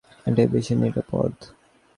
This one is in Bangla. এটাই বেশি নিরাপদ।